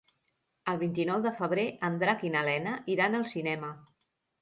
El vint-i-nou de febrer en Drac i na Lena iran al cinema.